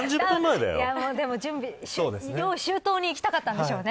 でも用意周到にいきたかったんでしょうね。